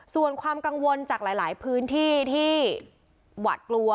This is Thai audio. ส่วนความกังวลจากหลายพื้นที่ที่หวาดกลัว